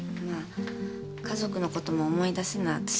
まあ家族のことも思い出せない